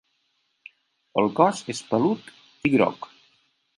El cos és 'pelut' i groc.